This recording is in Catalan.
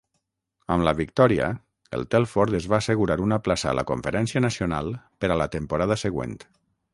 Amb la victòria, el Telford es va assegurar una plaça a la Conferència Nacional per a la temporada següent.